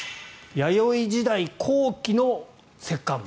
弥生時代後期の石棺墓。